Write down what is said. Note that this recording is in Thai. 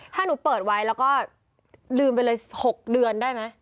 ถ้าหนูเปิดไว้แล้วก็ลืมไปเลย๖เดือนได้ไหม